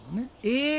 え！